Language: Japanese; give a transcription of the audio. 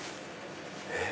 えっ？